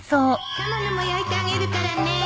タマのも焼いてあげるからね